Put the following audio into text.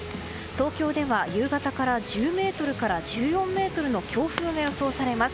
東京では夕方から１０メートルから１４メートルの強風が予想されます。